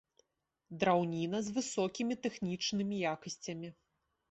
Драўніна з высокімі тэхнічнымі якасцямі.